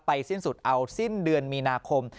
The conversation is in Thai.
สิ้นสุดเอาสิ้นเดือนมีนาคม